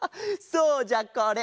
そうじゃこれ。